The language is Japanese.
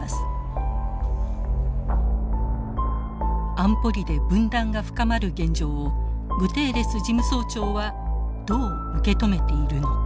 安保理で分断が深まる現状をグテーレス事務総長はどう受け止めているのか。